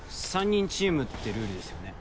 ３人チームってルールですよね。